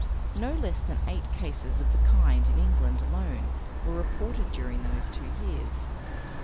No less than eight cases of the kind in England alone were reported during those two years.